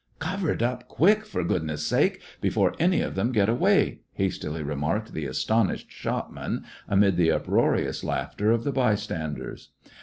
"Cover it up quick, for goodness' sake, be fore any of them get away," hastily remarked the astonished shopman, amid the uproarious laughter of the bystanders.